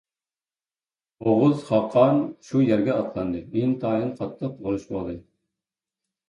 ئوغۇز خاقان شۇ يەرگە ئاتلاندى، ئىنتايىن قاتتىق ئۇرۇش بولدى.